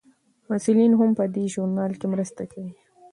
محصلین هم په دې ژورنال کې مرسته کوي.